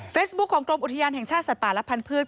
ของกรมอุทยานแห่งชาติสัตว์ป่าและพันธุ์